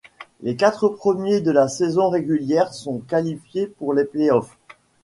Les quatre premiers de la saison régulière sont qualifiés pour les playoffs.